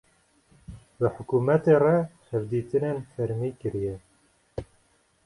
bi hukumetê re hevditînên fermî kiriye.